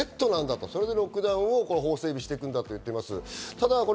補償付きのロックダウンを法整備していくんだと言っています。